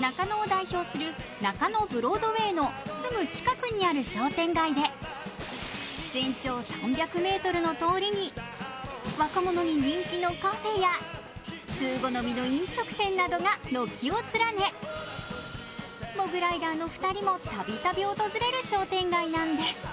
中野を代表する中野ブロードウェイのすぐ近くにある商店街で全長３００ｍの通りに、若者に人気のカフェや通好みの飲食店などが軒を連ね、モグライダーの２人もたびたび訪れる商店街なんです。